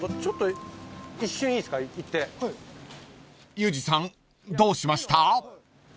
［ユージさんどうしました？］